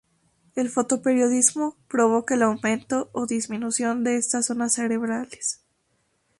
El fotoperiodismo provoca el aumento o disminución de estas zonas cerebrales.